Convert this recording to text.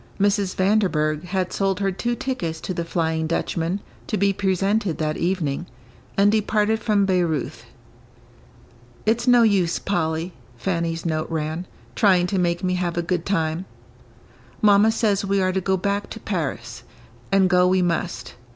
Mrs. Vanderburgh had sold her two tickets to the "Flying Dutchman," to be presented that evening, and departed from Bayreuth. "It's no use, Polly," Fanny's note ran, "trying to make me have a good time. Mamma says we are to go back to Paris; and go we must.